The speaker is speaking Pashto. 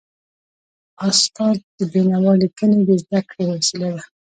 استاد د بينوا ليکني د زده کړي وسیله ده.